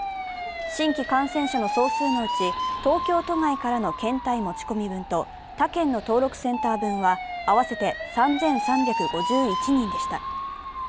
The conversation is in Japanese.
新規感染者の総数のうち東京都外からの検体持ち込み分と他県の登録センター分は合わせて３３５１人でした。